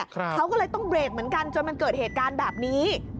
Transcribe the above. เขาก็เลยต้องเบรกเหมือนกันจนมันเกิดเหตุการณ์แบบนี้